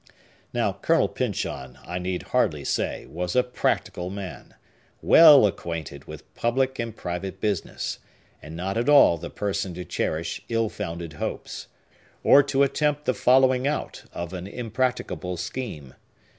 Now, Colonel Pyncheon, I need hardly say, was a practical man, well acquainted with public and private business, and not at all the person to cherish ill founded hopes, or to attempt the following out of an impracticable scheme.